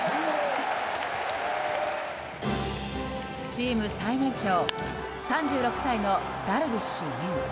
チーム最年長３６歳のダルビッシュ有。